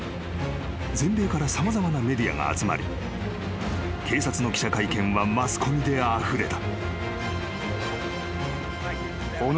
［全米から様々なメディアが集まり警察の記者会見はマスコミであふれた］